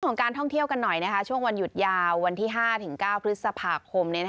ของการท่องเที่ยวกันหน่อยช่วงวันหยุดยาววันที่๕๙พฤษภาคม